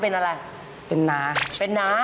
เป็นน้า